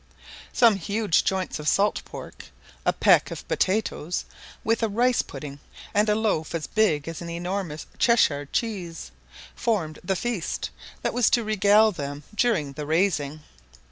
Some huge joints of salt pork, a peck of potatoes, with a rice pudding, and a loaf as big as an enormous Cheshire cheese, formed the feast that was to regale them during the raising.